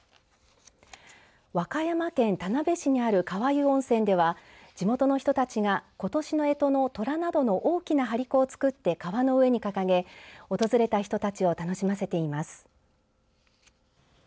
和歌山県田辺市にある川湯温泉では地元の人たちがことしのえとのとらなどの大きな張り子を作って川の上に掲げ訪れた人たちを楽しませています。